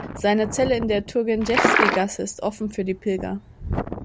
Seine Zelle in der Turgenjewski-Gasse ist offen für die Pilger.